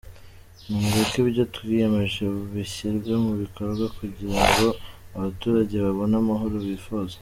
Nimureke ibyo twiyemeje bishyirwe mu bikorwa kugira ngo abaturage babone amahoro bifuza.